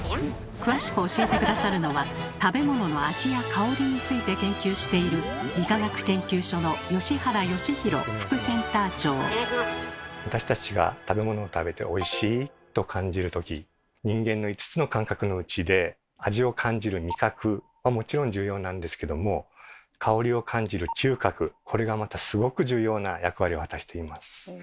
詳しく教えて下さるのは食べ物の味や香りについて研究している私たちが食べ物を食べて「おいしい」と感じるとき人間の５つの感覚のうちで味を感じる味覚はもちろん重要なんですけども香りを感じる嗅覚これがまたすごく重要な役割を果たしています。